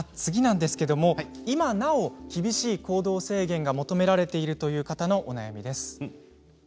今なお厳しい行動制限が求められているという方のお悩みです。